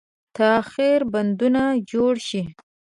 تاخیري بندونه جوړ شي.